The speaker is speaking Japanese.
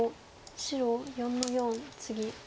白４の四ツギ。